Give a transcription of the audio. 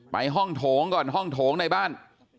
ห้องโถงก่อนห้องโถงในบ้าน